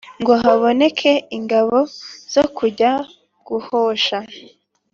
ngo haboneke ingabo zo kujya guhosha